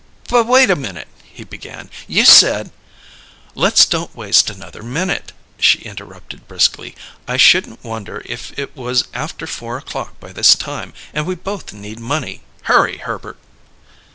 "But wait a minute," he began. "You said " "Let's don't waste another minute," she interrupted briskly. "I shouldn't wonder it was after four o'clock by this time, and we both need money. Hurry, Herbert!"